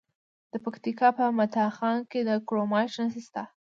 د پکتیکا په متا خان کې د کرومایټ نښې شته.